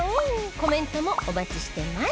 コメントもお待ちしています